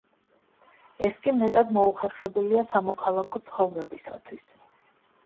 ეს კი მეტად მოუხერხებელია სამოქალაქო ცხოვრებისათვის.